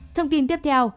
thông tin tiếp theo